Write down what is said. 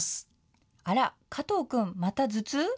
あら加藤くん、また頭痛？